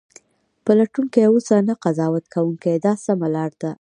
پلټونکی اوسه نه قضاوت کوونکی دا سمه لار ده.